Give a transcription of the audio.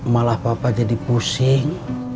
malah papa jadi pusing